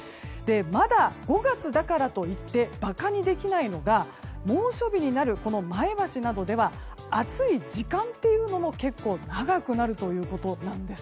まだ５月だからといって馬鹿にできないのが猛暑日になる前橋などでは暑い時間というのも結構、長くなるということなんです。